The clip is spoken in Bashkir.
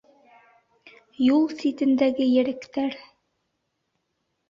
Юл ситендәге еректәр...